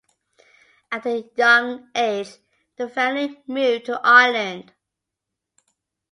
At a young age, the family moved to Ireland.